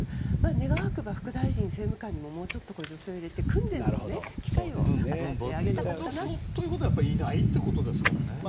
願わくば政務官、副大臣にももうちょっと女性を入れて訓練の機会をね。ということはいないということですね。